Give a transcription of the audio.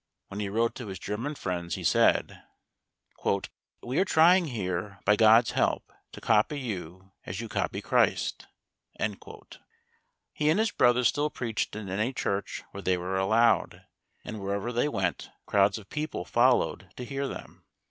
When he wrote to his German friends, he said: "We are trying here, by God's help, to copy you as you copy Christ." He and his brother still preached in any church where they were allowed, and wherever they went crowds of poor people followed to hear them.